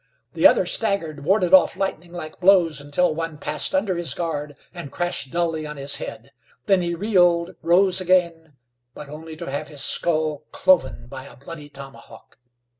The other staggered, warded off lightninglike blows until one passed under his guard, and crashed dully on his head. Then he reeled, rose again, but only to have his skull cloven by a bloody tomahawk.